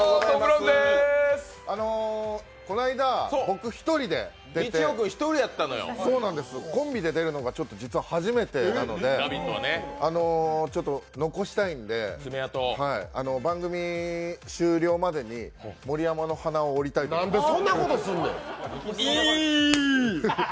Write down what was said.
この間、僕１人で出てコンビで出るのが実は初めてなのでちょっと残したいんで、番組終了までに盛山の鼻を折りたいと思いますなんで、そんなことすんねん！